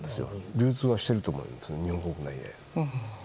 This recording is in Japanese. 流通はしていると思うので日本国内で。